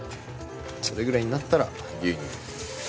それぐらいになったら、牛乳。